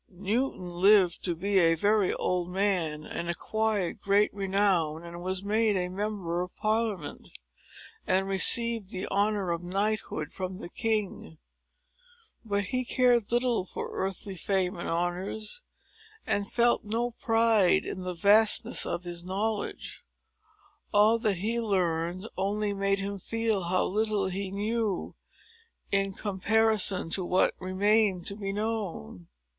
Newton lived to be a very old man, and acquired great renown, and was made a Member of Parliament, and received the honor of knighthood from the king. But he cared little for earthly fame and honors, and felt no pride in the vastness of his knowledge. All that he had learned only made him feel how little he knew in comparison to what remained to be known.